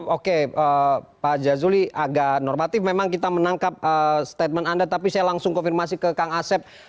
oke pak jazuli agak normatif memang kita menangkap statement anda tapi saya langsung konfirmasi ke kang asep